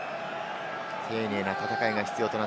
丁寧な戦いが必要です。